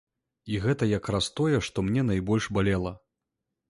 І гэта якраз тое, што мне найбольш балела.